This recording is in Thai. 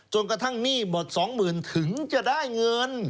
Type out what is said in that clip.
จนกระทั่งหนี้หมด๒๐๐๐๐ถึงจะได้เงิน